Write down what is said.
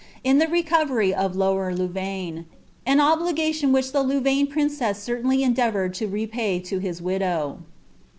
in the recovery of Lower Louvaine— ■ I ■n obligkiidii which the Louvaine princess certainly endeavoured tv4 npay to hia widow.